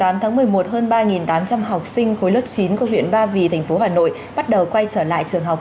một hơn ba tám trăm linh học sinh khối lớp chín của huyện ba vì thành phố hà nội bắt đầu quay trở lại trường học